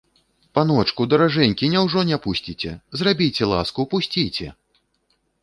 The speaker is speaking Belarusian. Паночку, даражэнькі, няўжо не пусціце, зрабіце ласку, пусціце!